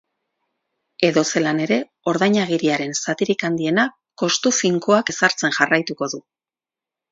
Edozelan ere, ordainagiriaren zatirik handiena kostu finkoak ezartzen jarraituko du.